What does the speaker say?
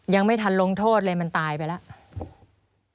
ยังไม่ทันลงโทษเลยมันตายไปแล้ว